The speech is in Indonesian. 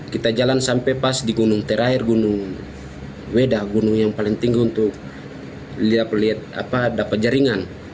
kita jalan sampai pas di gunung terakhir gunung wedah gunung yang paling tinggi untuk dapat jaringan